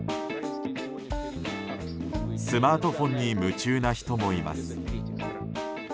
スマートフォンに夢中な人もいます。